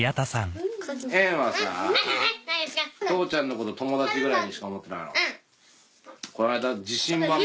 縁はさ父ちゃんのこと友達ぐらいにしか思ってないやろ？